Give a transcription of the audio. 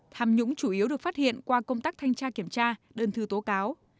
tham nhũng chủ yếu được phát hiện qua công tác thanh tra kiểm tra đơn thư tố cáo